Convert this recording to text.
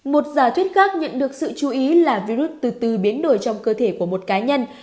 một giả thuyết khác nhận được sự chú ý là virus từ biến đổi trong cơ thể của một cá nhân